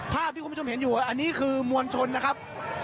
ภาพที่คุณผู้ชมเห็นอยู่อันนี้คือมวลชนนะครับ